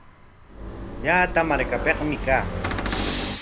Llata markapikmi kaa.